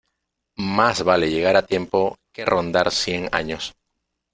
Más vale llegar a tiempo que rondar cien años.